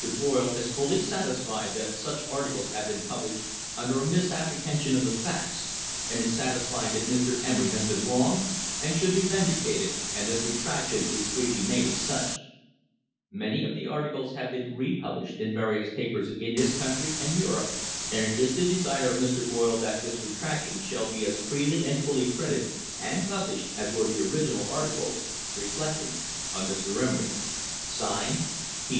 Boyle is fully satisfied that such articles have been published under a mis THE HISTORY OF THE STANDARD OIL COMPANY apprehension of the facts, and is satisfied that Mr. Emery has been wronged, and should be vindicated, and this retraction is freely made as such. Many of the articles have been republished in various papers in this country and Europe, and it is the desire of Mr. Boyle that this retraction shall be as freely and fully printed and published as were the original articles reflecting on Mr. Emery. (Signed) P.